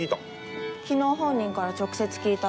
昨日本人から直接聞いた。